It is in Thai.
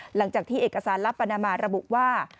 หลังจากที่เอกสารลับปานามาระบุว่า